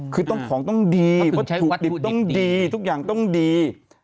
คือต้องของต้องดีวัตถุดิบต้องดีทุกอย่างต้องดี